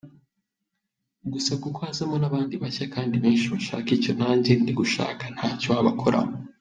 Gusa kuko hazamo n’abandi bashya kandi benshi bashaka icyo najye ndigushaka, ntacyo wabakoraho.